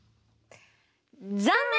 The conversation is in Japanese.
残念！